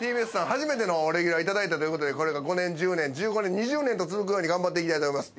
初めてのレギュラーいただいたということでこれから５年１０年１５年２０年と続くように頑張っていきたいと思います